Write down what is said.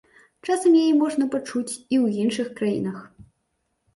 Часам яе можна пачуць і ў іншых краінах.